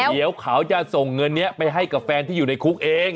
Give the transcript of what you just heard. เดี๋ยวเขาจะส่งเงินนี้ไปให้กับแฟนที่อยู่ในคุกเอง